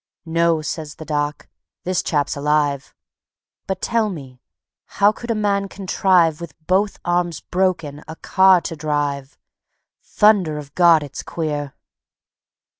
"No," says the Doc, "this chap's alive; But tell me, how could a man contrive With both arms broken, a car to drive? Thunder of God! it's queer."